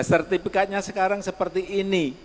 sertifikatnya sekarang seperti ini